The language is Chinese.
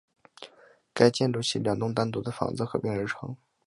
该建筑系两栋单独的房子合并而成。